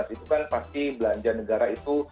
itu kan pasti belanja negara itu